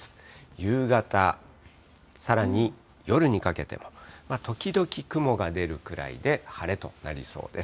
夕方、さらに夜にかけては、時々雲が出るくらいで晴れとなりそうです。